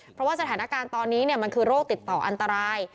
เพราะว่าสถานการณ์ตอนนี้มันคือโรคติดต่ออันตราย